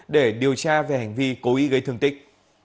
để điều tra về hành vi cố ý gây thương tích